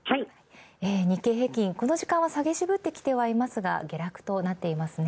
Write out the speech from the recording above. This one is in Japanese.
日経平均株価、この時間は下げ渋ってきてはいますが下落となっていますね。